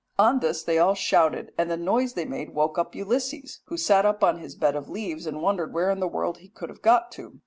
On this they all shouted, and the noise they made woke up Ulysses, who sat up in his bed of leaves and wondered where in the world he could have got to.